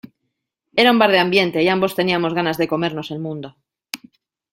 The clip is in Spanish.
Era un bar de ambiente y ambos teníamos ganas de comernos el mundo.